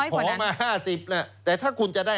ถ้าคุณขอมา๕๐แต่ถ้าคุณจะได้๕๐